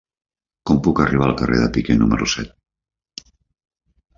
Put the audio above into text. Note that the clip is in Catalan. Com puc arribar al carrer de Piquer número set?